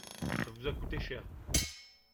Ça vous a coûté cher.